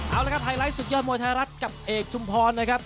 เอาละครับไฮไลท์ศึกยอดมวยไทยรัฐกับเอกชุมพรนะครับ